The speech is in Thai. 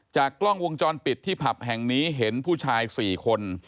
กล้องวงจรปิดที่ผับแห่งนี้เห็นผู้ชาย๔คน